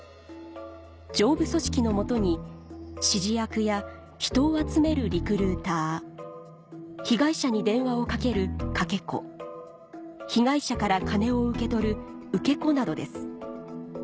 上部組織の下に指示役や人を集めるリクルーター被害者に電話をかけるかけ子被害者から金を受け取る受け子などです